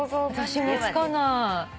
私もつかない。